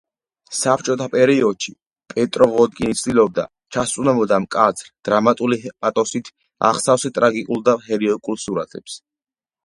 საბჭოთა პერიოდში პეტროვ-ვოდკინი ცდილობდა ჩასწვდომოდა მკაცრ, დრამატული პათოსით აღსავსე ტრაგიკულ და ჰეროიკულ სურათებს.